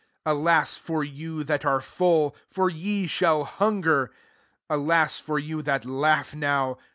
25 Alas for you that are full ! for ye shall hunger. Alas [for you] that laugh now!